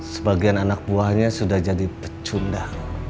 sebagian anak buahnya sudah jadi pecunda